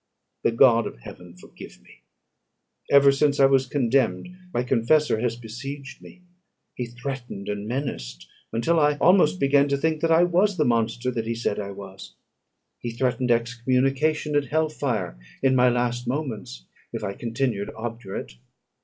The God of heaven forgive me! Ever since I was condemned, my confessor has besieged me; he threatened and menaced, until I almost began to think that I was the monster that he said I was. He threatened excommunication and hell fire in my last moments, if I continued obdurate.